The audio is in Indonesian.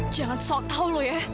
jangan sok tau lu ya